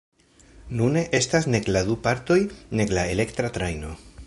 Nune estas nek la du partoj nek la elektra trajno.